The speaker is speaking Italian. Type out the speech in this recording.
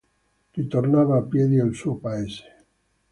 Ritornava a piedi al suo paese.